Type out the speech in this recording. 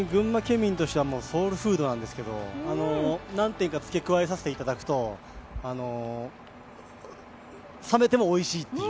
民としてはソウルフードなんですけど何点かつけ加えさせていただくと、冷めてもおいしいっていう。